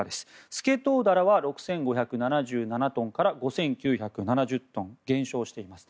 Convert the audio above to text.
スケトウダラは６５７７トンから５９７０トン減少しています。